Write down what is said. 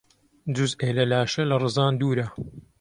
جوزئێ لە لاشە لە ڕزان دوورە